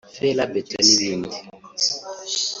fer à béton n’ibindi